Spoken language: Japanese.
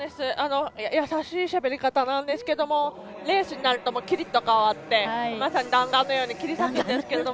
優しいしゃべり方なんですけどもレースになるとキリッと変わってまさに弾丸のように切り裂くんですが。